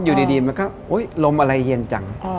อยู่ดีมันก็ลมอะไรเย็นจัง